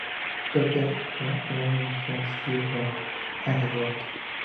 Pepper's Lonely Hearts Club Band On The Road".